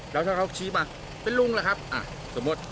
แล้วถ้าเขาชี้มาเป็นลุงล่ะครับอ่ะสมมุติ